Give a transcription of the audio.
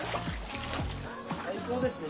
最高ですね。